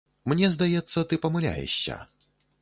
Мне здаецца, ты памыляешся.